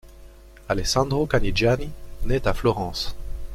Alesandro Canigiani nait à Florence.